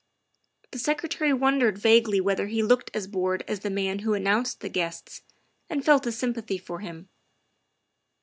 The Secretary wondered THE SECRETARY OF STATE 49 vaguely whether he looked as bored as the man who announced the guests, and felt a sympathy for him.